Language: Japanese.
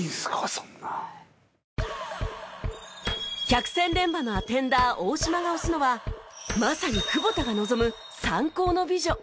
百戦錬磨のアテンダー大島が推すのはまさに久保田が望む３高の美女